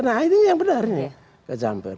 nah ini yang benarnya